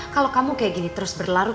kalau kamu kayak gini terus berlarut